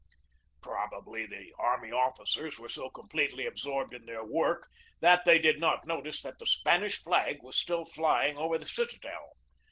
Probably the army officers were so completely absorbed in their work that they did not notice that the Spanish flag was still flying over the citadel.